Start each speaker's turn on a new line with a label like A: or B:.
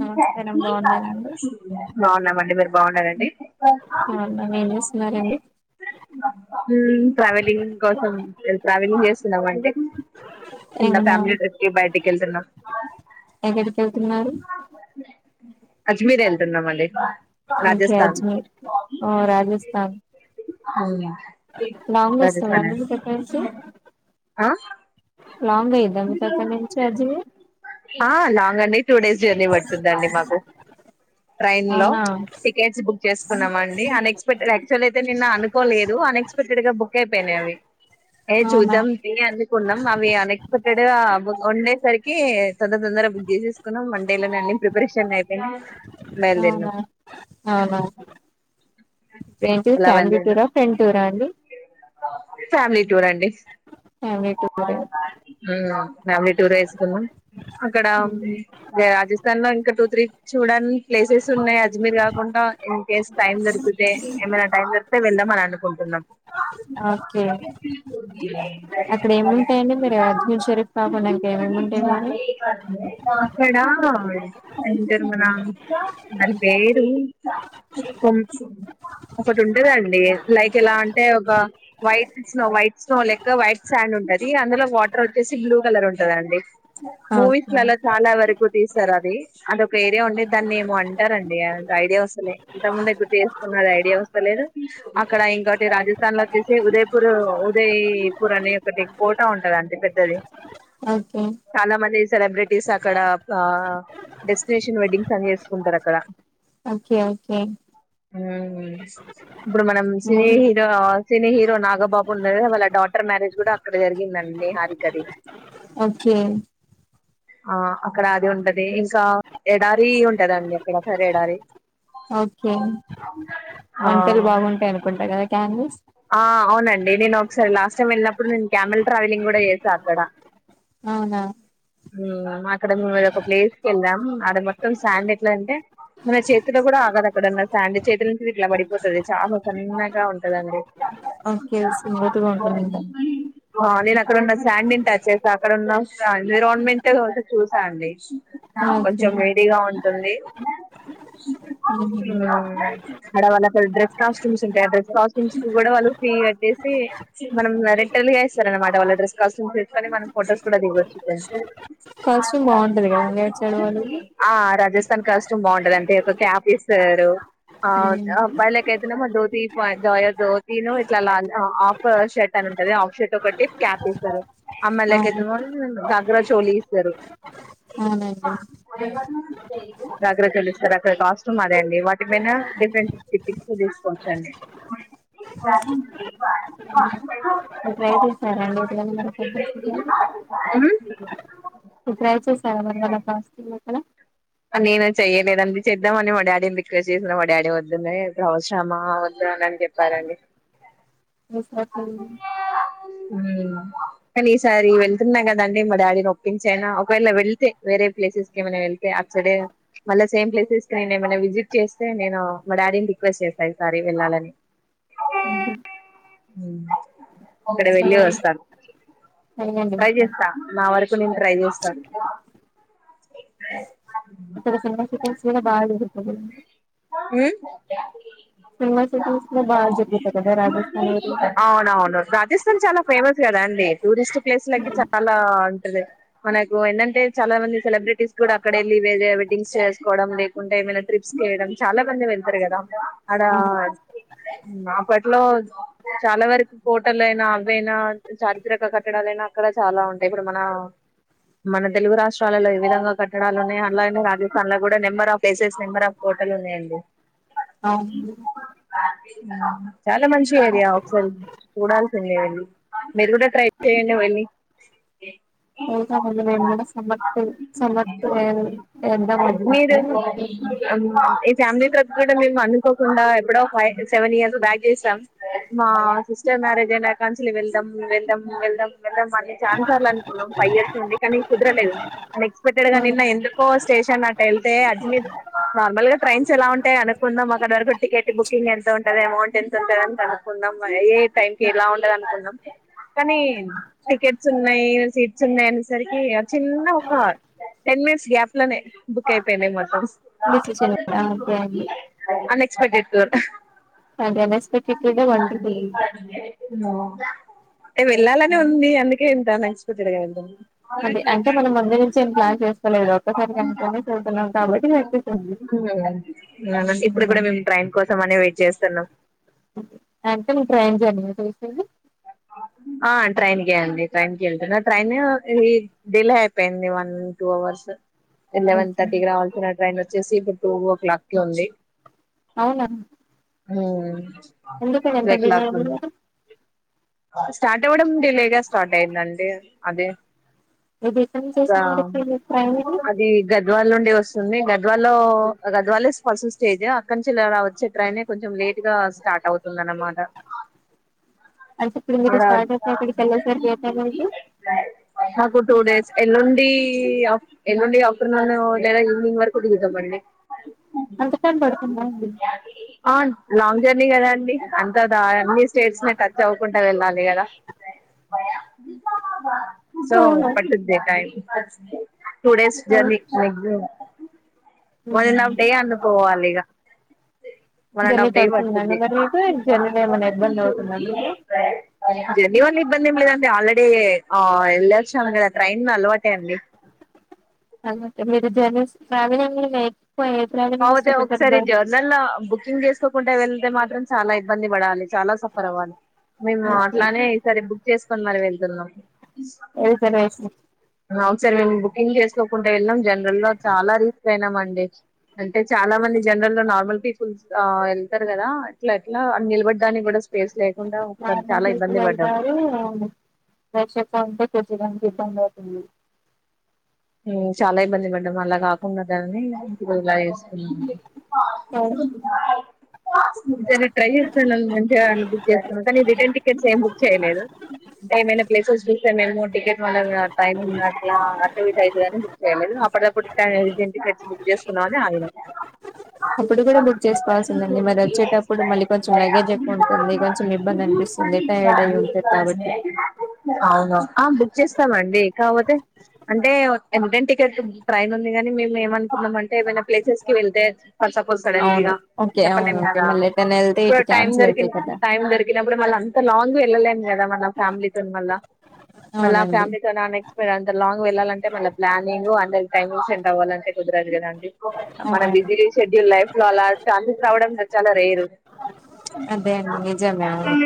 A: నమస్కారం బాగున్నారండి
B: బాగున్నామండి మీరు బాగున్నారా బాగునరండి
A: బాగున్నాం ఏం చేస్తున్నారండి
B: ఉమ్ ట్రావెలింగ్ కోసం ట్రావెలింగ్ చేస్తునాం అండి చిన్న
A: ఏమన్నా
B: ఫ్యామిలీ ట్రిప్ కి బైటికెళ్తునం
A: ఎక్కడికెళ్తునారు
B: అజ్మీర్ ఎల్తునాము అండి
A: ఒకే
B: రాజస్థాన్
A: అజ్మీర్ ఓ రాజస్ధాన్
B: ఉమ్
A: లాంగ్ వస్తాం రండి మీకు అక్కడి నుంచి
B: ఆ
A: లాంగ్ అయిద్దా మీకు అక్కడ నుంచి అజ్మీర్
B: ఆ లాంగ్ అండి టూ డేస్ జర్నీ పడుతుందండి మాకు ట్రైన్ లో
A: అవునా
B: టికెట్స్ బుక్ చేసుకున్నాం అండి అన్ఎక్స్పెక్టెడ్ యాక్చువల్ అయితే నిన్న అనుకోలేదు అన్ఎక్స్పెక్టెడ్ గా బుక్ అయిపోయినాయి అవి ఏ
A: అవునా
B: చూద్దాం అనుకున్ అవి అన్ ఎక్స్ ఉండే సరికి తొందర తొందర బుక్ చేసినం మండే ప్రెషన్ అయిపోయిన
A: అవునా అవును ఏంటిది
B: అలా
A: ఫ్యామిలీ
B: బయలుదేరినాం
A: టూర్ ఆ ఫ్రెండ్ టురా ఆ అండి
B: ఫ్యామిలీ టూర్ అండి
A: ఫ్యామిలీ టూర్ ఎ
B: యూ ఫ్యామిలీ టూర్ ఎ వేసుకున్నాం అక్కడ
A: ఉమ్,
B: రాజస్థాన్ లో ఇంకా టూ త్రీ చూడని ప్లేసెస్ ఉన్నాయి అజ్మీర్ కాకుండా ఇన్ కేస్ టైం దొరికితే ఏమైనా టైం దొరికితే వెళ్దాం అని అనుకుంటున్నాం
A: ఓకే అక్కడ ఏముంటాయండి మీరు అజ్మీర్ షరీఫ్ కాకుండా ఇంకా ఏమి ఏమి ఉంటాయి మీరు
B: అక్కడ అంటారు మన దాని పేరు కొ ఒక్కటి ఉంటదండి లైక్ ఎలా అంటే ఒక వైట్ స్నో వైట్ స్నో లెక్క వైట్ శాండ్ ఉంటది అందులో వాట్ టర్ వచ్చేసి బ్లూ కలర్ ఉంటాదండి మూవీస్
A: ఓకే
B: లల్లా చాలా వరకు తీస్తారు అది అదొక ఏరియా ఉండే దాన్ని ఏమో అంటారండీ ఐడియా వస్తలే ఇంతకు ముందు దగ్గర తీసుకున్నది ఐడియా వస్తలేదు అక్కడ ఇంకోటి రాజస్థాన్ లో వచ్చేసి ఉదయ్పూర్ ఉదయ్ పూర్ అనే ది ఒక్క కోట ఉంటాదండి పెద్ద పెద్దది
A: ఓకే
B: మంది సెలబ్రిటీస్ అక్కడ ఆ డెస్టినేషన్ వెడ్డింగ్స్ అని చేసుకుంటారు అక్కడ
A: ఓకే ఓకే
B: ఉమ్ ఇప్పుడు మనం cine
A: movie
B: hero cine hero Nagababu ఉన్నది వాళ్ళ డాటర్ మ్యారేజ్ కూడా అక్కడే జరిగిందండి ఇంక కది
A: ఓకే
B: ఆ అక్కడ అది ఉంటది ఇంకా ఎడారి ఉంటదండి అక్కడ తరి ఎడారి
A: ఓకే వంటలు
B: ఆ
A: బాగుంటాయి అనుకుంటా కదా క్యామిస్
B: ఆ అవునండి నేను ఒక్కసారి లాస్ట్ టైం వెళ్ళినప్పుడు నేను క్యామెల్ ట్రావెలింగ్ కూడా చేసా అక్కడ
A: అవునా
B: యూ అక్కడ మేము ఒక ప్లేస్ కి వెళ్ళాం ఆడ మొత్తం శాండ్ ఎట్లా అంటే మన చేతులో కూడా ఆగదు అక్కడ ఉన్న శాండ్ చేతి నుంచి ఇట్లా పడిపోతుంది చాలా సన్నగా ఉంటదండి
A: ఓకే స్మూత గా ఉంటుంది
B: నేను అక్కడన్న శాండ్ ను టచ్ చేసాను అక్కడన్న ఎన్విరాన్మెంట్ చూసా అండి
A: ఓకే
B: కొంచం వేడి గా ఉండు టుంది
A: ఉహు.
B: అ ఆడ వాళ్ల డ్రెస్ కాస్ట్యూమ్స్ ఉంటాయి ఆ డ్రెస్ కాస్ట్యూ మ్స్ కూడా వాళ్ళు ఫీ కట్టేసి మనం రెంటల్ గా ఇస్తారు అనమాట వాళ్ళ డ్రెస్ కాస్ట్ యూమ్స్ మనం ఫొటోస్ కూడా దిగొచ్చు
A: కాస్ట్యూమ్ బాగుంటది కదా రైట్ సైడ్ వాళ్ళది
B: ఆ రాజస్ తన కాస్ట్యూమ్ బాగుంటది అంటే క్యాప్ ఇస్తారు ఆ
A: ఉమ్,
B: అబ్బాయిలకయితేనేమో దో తీపయ జాయ్ జోతిను ఇట్లా లా హాఫ్ షర్ట్ అని ఉంటది హాఫ్ షర్ట్ ఒకటి క్యాప్ ఇస్తారు అమ్ల
A: అవును
B: [unintelligible] మ్ర చోలి ఇస్తారు
A: అవునండి
B: దగ్గరకెళ్ళి ఇస్తార అక్కడ కాస్టూమ్ అదే అండి వాటిపైన డిఫరెంట్ టి పిక్స్ తీసుకోవచ్చండి [unintelligible]
A: మీరు ట్రై చేసారా అండి [unintelligible] మీరు ట్రై చేసారా మరి వాళ్ళ కాస్ట్యూమ్ అక్కడ
B: అ నేనా చెయ్యలేదండి చేద్దామని మా డాడీని రిక్వెస్ట్ చేసిన మా డాడీ వద్దున్నా ఇప్పుడు అవసరమా వద్దు అనని చెప్పారండి
A: [unintelligible]
B: మ్ కానీ ఈసారి వెళ్తున్నా కదండి మా డాడీని ఒప్పించ అయినా ఒకవేళ వెళ్తే వేరే ప్లేసెస్ కి ఏమైన వె ళ్తే అటు సైడే మళ్ళ సేమ్ ప్లేసెస్ నేను ఏమన్న విజిట్ చేస్తే నేను మా డాడీని రిక్వెస్ట్ చేస్తా ఈసారి వెళ్ళాలని
A: ఉహు.
B: ఉమ్ అక్కడ వెళ్లి
A: చెయ్యండి
B: వస్తాను
A: చెయ్యండి
B: ట్రై
A: ఈసారి
B: చేస్తా నా వర ఇప్పుడు నేను ట్రై చేస్తాను అ
A: అక్కడ సినిమా షూటింగ్స్ కూడా బాగా జరుగుతది
B: మ్
A: సినిమా షూటింగ్స్ కూడా బాగా జరుగుతాయి కదా రాజస్థాన్ ఏరియా
B: మొత్తం చాలా ఫేమస్ కదా అండి టూరిస్ట్ ప్లేస్ లకి చాలా ఉంటది మనకు ఏందంటే చాలా మంది సెలబ్రిటీస్ కూడా అక్కడ వెళ్లి వేరే వెడ్డింగ్స్ చేసేసుకోవడం లేకుంటే ఏమైనా ట్రిప్స్ కి వేళ్లడం చాలా మంది వెళ్తారు కదా అడ
A: అవును
B: అప్పట్లో చాలా వరకు కోటలు అయినా అవయినా చారిత్రక కట్టడాలయినా అక్కడ చాలా ఉంటాయి ఇప్పుడు మన మన తెలుగు రాష్ట్రాలలో ఏ విధంగా కట్టడాలు ఉన్నాయో అలాగనే రాజస్థాన్ లో కూడా నెంబర్ ఆఫ్ ప్లేసెస్ నెంబర్ఫ్ కో టలు ఉన్నాయండి
A: అవును
B: ఉం చాలా మంచి ఏరియా ఒకసారి చూడాల్సిందే వెళ్లి మీరు కూడా ట్రై చేయండి వెళ్లి
A: పోదాం అండి నేను కూడా సమ్మర్ టూర్ సమ్మర్ టూర్ ఏ
B: మీరు
A: ఏద్దామనుకుంటున్న
B: ఈ ఫ్యామిలీ ట్రిప్ కూడా మేము అనుకోకుండా ఎప్పుడో ఫైవ్ సెవెన్ ఇయర్స్ బ్యాక్ చేసాం మా సిస్టర్ మ్యారేజ్ అయినా కానుంచి వెళ్దాం వెళ్దాం వెళ్దాం వెళ్దాం అని ఛానా సార్లు అనుకున్నాం ఫైవ్ ఇయర్స్ నుండి కానీ కుదరలేదు అన్ ఎక్స్పెక్టెడ్ గా నిన్న ఎందుకో స్టేషన్ అట్ వెళ్తే అజ్మి మీదు నార్మల్గా ట్రైన్స్ ఎలా ఉంటాయ అనుకున్నం అక్కడి వరకు టికెట్ బుకింగ్ ఎంత ఉంటది అమౌంట్ ఎంత ఉంటది అని కనుకున్నం ఏ టైంకి ఎలా ఉంటది అనుకున్నం కనీ టికెట్స్ ఉన్నాయి సీట్స్ ఉన్నాయి అనే సరికి చిన్న ఒక టెన్ మినిట్స్ గ్యాప్ లనే బుక్ అయిపోయినాయి మొత్తం స్
A: డెషిషన్ అ ఓకే అండి
B: క్స్పెక్టెడ్ గ
A: అది అనేక్స్పెక్టెడ్ వండర్ఫుల్ వు
B: ఎ వెళ్లాలనే ఉంది అందుకే ఇంత అనేక్స్పెక్టెడ్ గా అయింటది
A: అదే అంటే మనం ముందు నుంచి ఏం ప్లాన్ చేస్కోలేదు ఒక్కసారి అనుకొని పోతున్నాం కాబట్టి లైట్ తీసు
B: మ్ అవునండి ఇప్పుడు కూడా మేము ట్రైన్ కోసం అనే వెయిట్ చేస్తున్నాం
A: అంటే నువ్ ట్రైన్ జర్నీ ఆ చేసేది
B: ఆ ట్రైన్ కె అండి ట్రైన్ కి వెళ్తున్నా ట్రైన్ డిలే అయిపోయింది వన్ టూ అవర్స్ ఎలవెన్ తర్టీకి రావాల్సిన ట్రైన్ వచ్చేసి ఇప్పుడు టూ ఓ క్లాక్ కి ఉంది
A: అవున
B: మ్
A: ఎందుకు అంత డిల అయింది
B: స్టార్ట్ అవడం డిలేే గా స్టార్ట్ అయిందండి అదే
A: ఇది ఎక్కడి నుంచి
B: ఇంకా
A: వస్తుంది మరి ట్రైన్ ఇది
B: అది గద్వాల నుండి వస్తుంది గద్వాల్ లో గద్వాల్ నే ఫస్ట్ స్టేజ్ అక్కడ నుంచి ఇలా వచ్చే ట్రైనే కొంచెం లేట్ గా స్టార్ట్ అవుతుంది అన్నమాట
A: అంటే ఇప్పుడు
B: ఆడ
A: మీరు స్టార్ట్ అయితే అక్కడికి వెళ్ళేసరికి ఏ టైం అయింది
B: నాకు టూ డేస్ ఎల్లుండీ అఫ్ ఏల్లుండి అఫ్టార్నూన్ లేదా ఈవినింగ్ వరకు దిగుతం అండి
A: అంత టైం పడుతుందా అండి
B: లాంగ్ జర్నీ కదా అండి అంతా అన్నీ స్టేట్స్ నీ టచ్ అవు వుకుంట వెళ్ళాలి కదా సో
A: అవునా
B: పట్టుది టైం టూ డేస్
A: అవును.
B: Journey maximum one and
A: um.
B: Half day అనుకోవాలిగా
A: జర్నీ పడుతుందా అండి మరి మీకు జర్నీలో ఏమన్నా ఇబ్బంది అవుతుందా అండి మీకు
B: జర్నీ వల్ల ఇబ్బంది ఏం లేదండి ఆల్రెడీ ఆ వెళ్లోచాం కదా ట్రైన్ అలవాటే అండి
A: అలవాటే మీరు జర్నీస్ ట్రావెలింగ్ నైట్
B: అవుతే ఒకసారి జర్నల బుకింగ్ చేసుకోకుంటా వెళ్తే మాత్రం చాలా ఇబ్ ఇబ్బంది పడాలి చాలా సఫర్ అవ్వాలి మేము అట్లానే ఈ సారి బుక్ చేస్ కొనీ మరీ వెళ్తున్నం
A: ఏం కర్రీ చేసినవ్ [unintelligible]
B: సారి మేం బుకింగ్ చేస్ కోకుంట ఎల్లినం జనరల్ ల్లో చాలా రిస్క్ అయినం అండి అంటే చాలా మంది జనరల్ లో నార్మల్ పీపుల్స్ ఆ ఎళ్తరు కదా అట్లా అట్లా నిలబడ్డానికి కూడా స్
A: నార్మల్ గైతే వెళతారూ రష్ ఎక్కువ ఉంటే కూర్చోడా ఇబ్బందైతుంది
B: ఆ చాలా ఇబ్బంది పడ్డం అలా కాకుండ దనీ ఇలా చేస్ కున్నం ట్రై చేస్తాను న మంచిగా బుక్ చేయాలని కానీ రిటర్న్ టికెట్స్ ఏం బుక్ చేయలేదు అంటే ఏమైనా ప్లేసెస్ చూస్తే మేము టికెట్ మళ్ళా టైమింగ్ అట్లా ఐతదని బుక్చేయలేదు అప్పటి వరకు టై ఇగ ఇంటికొచ్చి బుక్ చేసుకుందం అని ఆగినం
A: అప్పుడు కూడా బుక్ చేసుకోవాల్సి దండి మరి వచ్చేటప్పుడు మళ్ళీ కొంచెం లగేజ్ ఎక్కువ ఉంటుంది కొంచెం ఇబ్బంది అనిపిస్తుంది టైర్డ్ అయి ఉంటరు కాబట్టి
B: అవును ఆ బుక్ ఏ ఒక్క రిటర్న్ టికెటు ట్రైన్ ఉంది గానీ మేమ్ ఏమనుకున్నం అంటే ఏమైనా ప్లేసెస్ కి వెళ్తే ఫర్ సపోజ్
A: అవును
B: సడన్లీగా
A: ఓకే అవును
B: చెప్పలేం
A: ఓకే
B: గదా
A: మళ్ళీ ఎటైనా వెళ్తే
B: కొద్దిగా
A: ఇటు
B: టైం
A: క్యాన్సిల్
B: దొరికి
A: అయితాయి కదా
B: టైం దొరికినప్పుడు మళ్ళీ అంత లాంగ్ ఎళ్ళలేమ్ ఫ్యామిలీ తోనీ మళ్ళా మళ్ళా
A: అవునండి
B: ఫ్యామిలీ తోని అన్నీ ఎక్స్పిర్ అంటే లాంగ్ వెళ్లాలంటే మన ప్లానింగు అందరికీ టైం ఎక్స్టెండ్ అవ్వాలంటే కుదరదు కదండి మన
A: అవునండి
B: బిజీ షెడ్యూల్ లైఫ్ లో అలా ఛాన్సెస్ రావడం చాలా రేరు
A: అదే అండి నిజమే అవును